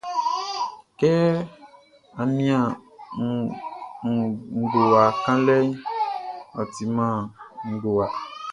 Kɛ á nían ngowa kanlɛʼn, ɔ diman ngowa.